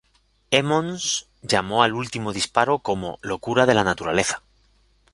Emmons llamó al último disparo como "locura de la naturaleza.